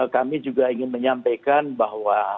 kami juga ingin menyampaikan bahwa